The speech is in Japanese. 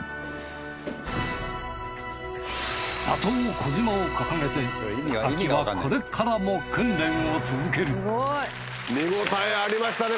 打倒児嶋を掲げて木はこれからも訓練を続ける見ごたえありましたね